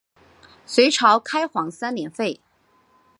隋朝开皇三年废。